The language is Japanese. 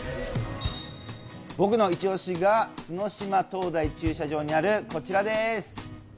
僕の一押しが角島灯台駐車場にあるこちらです。